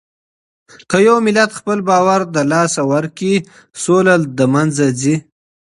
که يو ملت خپل باور له لاسه ورکړي، سوله له منځه ځي.